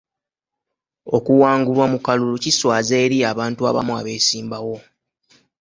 Okuwangulwa mu kalulu kiswaza eri abantu abamu abeesimbawo.